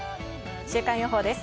週間予報です。